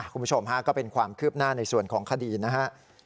คุณผู้ชมฮะก็เป็นความคืบหน้าในส่วนของคดีนะฮะ